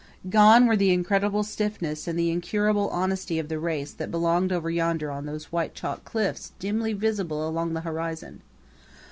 Gone were the incredible stiffness and the incurable honesty of the race that belonged over yonder on those white chalk cliffs dimly visible along the horizon.